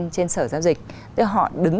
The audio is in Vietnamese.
trên sở giao dịch thế họ đứng